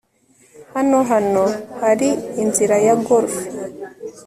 hano hano hari inzira ya golf